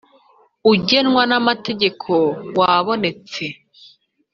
Ugenwa n amategeko wabonetse